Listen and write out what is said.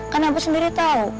kan abah sendiri tahu